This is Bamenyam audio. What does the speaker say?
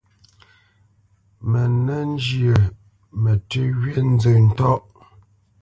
Mə nə́ njyə mətʉ́ wí nzə ntɔ̂ʼ.